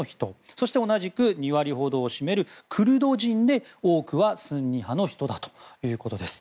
そして同じく２割ほどを占めるクルド人で多くはスンニ派の人だということです。